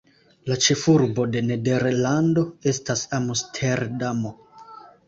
La ĉefurbo de Nederlando estas Amsterdamo.